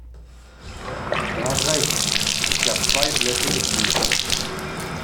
Er hat Recht, es gab zwei Blöcke des Südens.